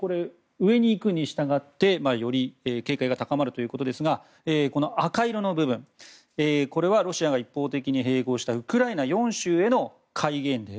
上にいくにしたがってより警戒が高まるということですがこの赤色の部分はロシアが一方的に併合したウクライナ４州への戒厳令。